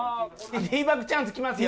Ｔバックチャンスきますよ。